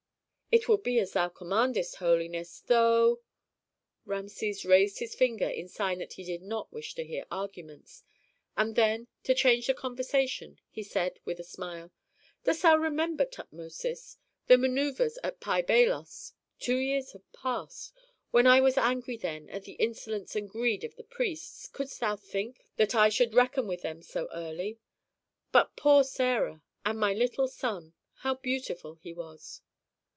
"It will be as thou commandest, holiness though " Rameses raised his finger in sign that he did not wish to hear arguments. And then, to change the conversation, he said, with a smile, "Dost thou remember, Tutmosis, the manœuvres at Pi Bailos? Two years have passed. When I was angry then at the insolence and greed of the priests, couldst thou think that I should reckon with them so early? But poor Sarah and my little son. How beautiful he was!"